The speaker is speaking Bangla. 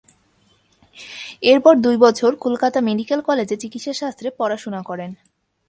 এরপর দুই বছর কলকাতা মেডিক্যাল কলেজে চিকিৎসাশাস্ত্রে পড়াশোনা করেন।